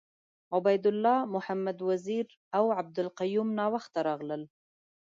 عبید الله محمد وزیر اوعبدالقیوم ناوخته راغله .